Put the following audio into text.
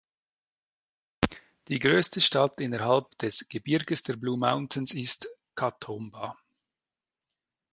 Die größte Stadt innerhalb des Gebirges der Blue Mountains ist Katoomba.